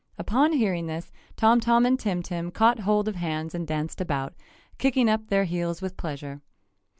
Upon hearing this Tom Tom and Tim Tim caught hold of hands and danced about, kicking up their heels with pleasure.